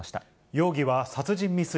容疑は殺人未遂。